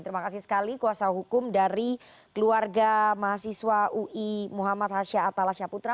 terima kasih sekali kuasa hukum dari keluarga mahasiswa ui muhammad hasya atallah syaputra